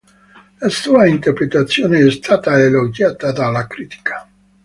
La sua interpretazione è stata elogiata dalla critica.